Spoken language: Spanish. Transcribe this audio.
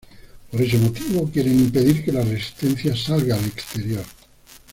Por ese motivo quieren impedir que La Resistencia salga al exterior.